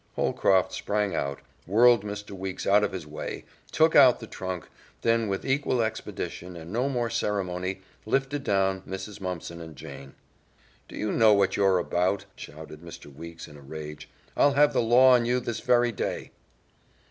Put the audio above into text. Holcroft sprang out, whirled Mr. Weeks out of his way, took out the trunk, then with equal expedition and no more ceremony lifted down Mrs. Mumpson and Jane. "Do you know what you're about?" shouted Mr. Weeks in a rage. "I'll have the law on you this very day."